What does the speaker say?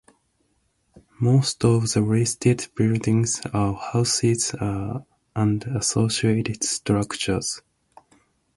Most of the listed buildings are houses and associated structures.